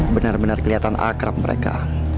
bener bener keliatan akrab mereka